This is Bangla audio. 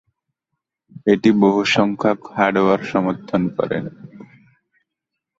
এটি বহুসংখ্যক হার্ডওয়্যার সমর্থন করে।